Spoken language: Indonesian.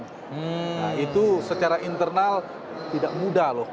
hmm itu secara internal tidak mudah loh